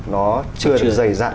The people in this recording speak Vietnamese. nó chưa được dày dặn